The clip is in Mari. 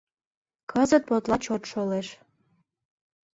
Кызыт подла чот шолеш.